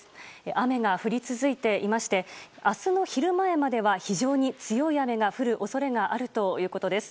雨が降り続いていまして明日の昼前までは非常に激しい雨が降る恐れがあるということです。